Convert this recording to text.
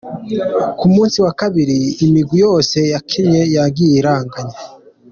Ku musi wa kabiri imigwi yose yakinye yagiye iranganya.